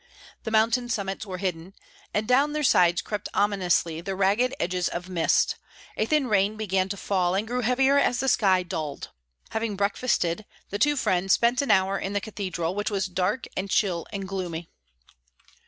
The mountain summits were hidden, and down their sides crept ominously the ragged edges of mist; a thin rain began to fall, and grew heavier as the sky dulled. Having breakfasted, the two friends spent an hour in the cathedral, which was dark and chill and gloomy.